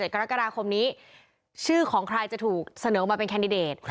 กรกฎาคมนี้ชื่อของใครจะถูกเสนอมาเป็นแคนดิเดต